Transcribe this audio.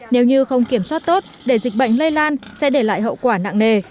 nếu như không kiểm soát tốt để dịch bệnh lây lan sẽ để lại hậu quả nặng nề